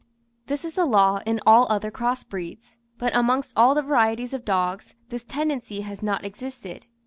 This is a law in all other cross breeds but amongst all the varieties of dogs, this tendency has not existed.